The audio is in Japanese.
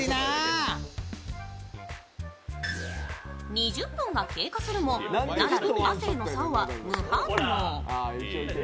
２０分が経過するも、ナダル、亜生のさおは無反応。